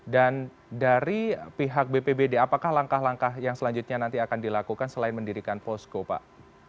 dan dari pihak bpbd apakah langkah langkah yang selanjutnya nanti akan dilakukan selain mendirikan posko pak